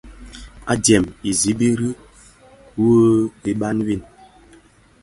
Adyèn i nzibiri wu iban win,